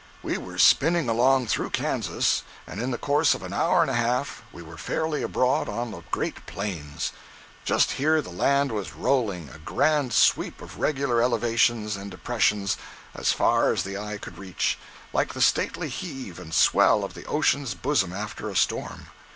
We were spinning along through Kansas, and in the course of an hour and a half we were fairly abroad on the great Plains. Just here the land was rolling—a grand sweep of regular elevations and depressions as far as the eye could reach—like the stately heave and swell of the ocean's bosom after a storm.